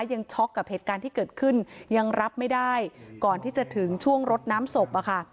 ช็อกกับเหตุการณ์ที่เกิดขึ้นยังรับไม่ได้ก่อนที่จะถึงช่วงรดน้ำศพอะค่ะ